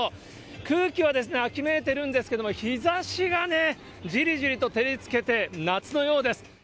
空気は秋めいてるんですけれども、日ざしがね、じりじりと照りつけて夏のようです。